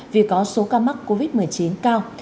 vì có số ca mắc covid một mươi chín cao